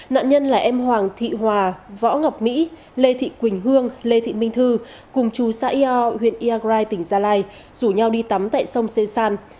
nạn nhân là em hoàng thị hòa võ ngọc mỹ lê thị quỳnh hương lê thị minh thư cùng chú xã iao huyện iagrai tỉnh gia lai rủ nhau đi tắm tại sông sê san